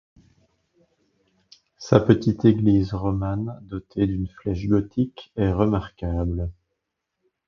Sa petite église romane dotée d'une flèche gothique est remarquable.